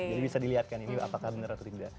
jadi bisa dilihatkan ini apakah benar atau tidak